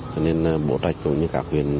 cho nên bố trạch cũng như cả huyện